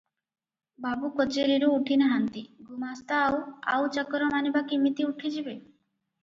ବାବୁ କଚେରିରୁ ଉଠି ନାହାନ୍ତି, ଗୁମାସ୍ତା ଆଉ ଆଉ ଚାକରମାନେ ବା କିମିତି ଉଠିଯିବେ?